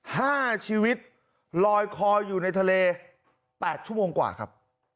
ห้าชีวิตลอยคออยู่ในทะเลแปดชั่วโมงกว่าครับ